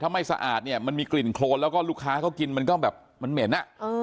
ถ้าไม่สะอาดเนี่ยมันมีกลิ่นโครนแล้วก็ลูกค้าเขากินมันก็แบบมันเหม็น